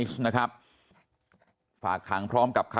ลูกสาวหลายครั้งแล้วว่าไม่ได้คุยกับแจ๊บเลยลองฟังนะคะ